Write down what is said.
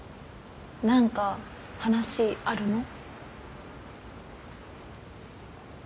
何か話あるの？